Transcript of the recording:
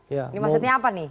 ini maksudnya apa nih